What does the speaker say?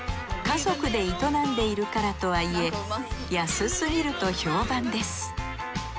家族で営んでいるからとはいえ安すぎると評判です。